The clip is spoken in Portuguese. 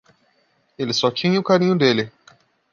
Ele só tinha o carinho dele.